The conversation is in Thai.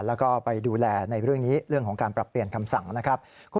แล้วก็ไปดูแลในเรื่องนี้เรื่องของการปรับเปลี่ยนคำสั่งนะครับ